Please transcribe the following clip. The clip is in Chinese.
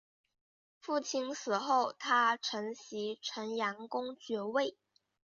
父亲死后他承袭城阳公爵位。